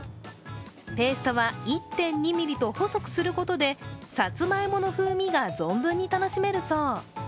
ペーストは１．２ｍｍと細くすることでさつまいもの風味が存分に楽しめるそう。